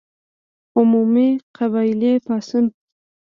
عمومي قبایلي پاڅون.